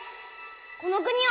この国を。